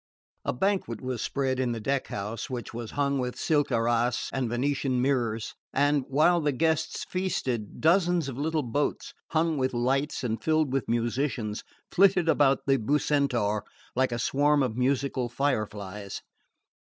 A banquet was spread in the deck house, which was hung with silk arras and Venetian mirrors, and, while the guests feasted, dozens of little boats hung with lights and filled with musicians flitted about the Bucentaur like a swarm of musical fireflies...